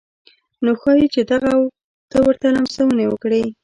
نو ښايي چې دغه ته ورته لمسونې وکړي.